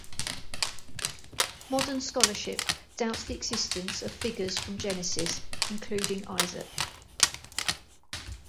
Modern scholarship doubts the existence of figures from Genesis, including Isaac.